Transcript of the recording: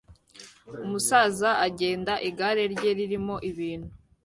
Umusaza agenda igare rye ririmo ibintu